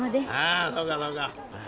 あそうかそうか。